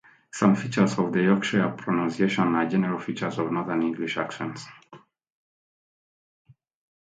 Some features of Yorkshire pronunciation are general features of northern English accents.